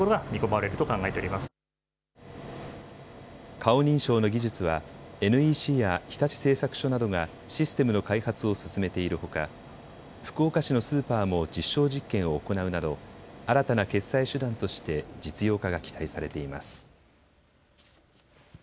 顔認証の技術はＮＥＣや日立製作所などがシステムの開発を進めているほか福岡市のスーパーも実証実験を行うなど新たな決済手段として実用化が期待されています。